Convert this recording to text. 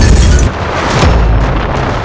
tenaga dalamnya benar benar keguguran